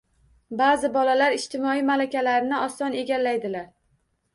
Baʼzi bolalar ijtimoiy malakalarni oson egallaydilar